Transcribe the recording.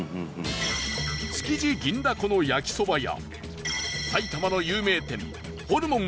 築地銀だこの焼きそばや埼玉の有名店ホルモン